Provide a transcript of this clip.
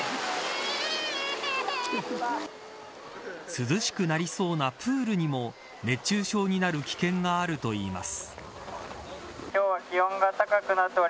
涼しくなりそうなプールにも熱中症になる危険があるといいます。